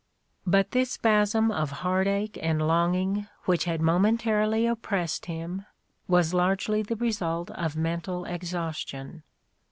But this apasm of heartache and longing which had momentarily oppressed him, was largely the result of mental exhaustion.